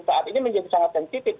saat ini menjadi sangat sensitif